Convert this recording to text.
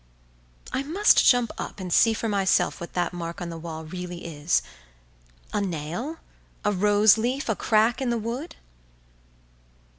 I must jump up and see for myself what that mark on the wall really is—a nail, a rose leaf, a crack in the wood?